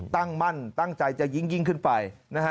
ตั้งมั่นตั้งใจจะยิ่งขึ้นไป